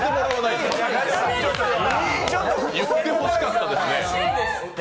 言ってほしかったですね。